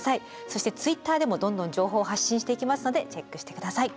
そしてＴｗｉｔｔｅｒでもどんどん情報発信していきますのでチェックしてください。